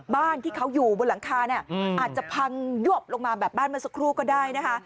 บ้านที่เขาอยู่บนหลังคาเนี่ยอาจจะพังยวบลงมาแบบบ้านเมื่อสักครู่ก็ได้นะคะ